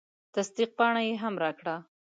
تصدیق پاڼه یې هم راکړه.